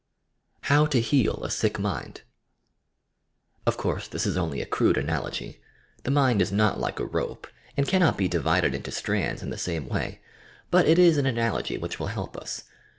HOW TO HEAL A SICK MIND Of course this is only a crude analogy. The mind is not like a rope and cannot be divided into strands in the same way, but it is an analogy which will help us.